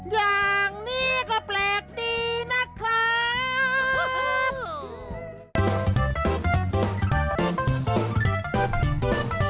อย่างนี้ก็แปลกดีนะครับ